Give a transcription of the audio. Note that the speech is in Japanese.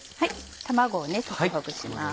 卵を溶きほぐします。